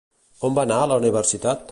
On va anar a la universitat?